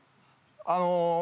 あの。